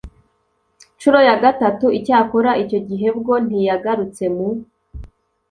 ncuro ya gatatu icyakora icyo gihe bwo ntiyagarutse mu